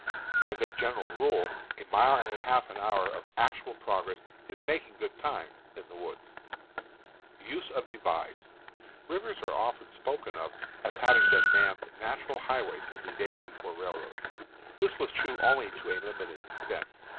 As a gen eral rule, a mile and a half an hour of actual progress is "making good time" in the woods. Rivers are often spoken of as having been man's natural highways in the days before railroads. This ,,, was true only to a limited extent.